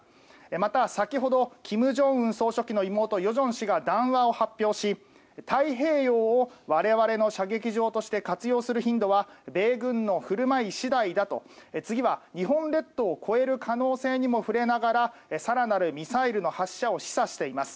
また、先ほど金正恩総書記の妹・与正氏が談話を発表し太平洋を我々の射撃場として活用する頻度は米軍の振る舞い次第だと次は日本列島を越える可能性にも触れながら更なるミサイルの発射を示唆しています。